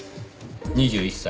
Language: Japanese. ２１歳。